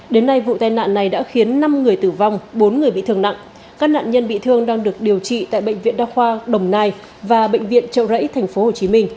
đến nay vụ tai nạn này đã khiến năm người tử vong bốn người bị thương nặng các nạn nhân bị thương đang được điều trị tại bệnh viện đa khoa đồng nai và bệnh viện trậu rẫy tp hcm